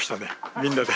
みんなで。